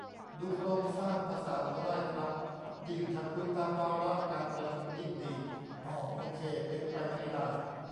ดูโครงสร้างภาษาพอได้ครับ ยิ่งถ้าคุยตามวาระการประชุมยิ่งดี อ่อ โอเค เป็นไปไม่ได้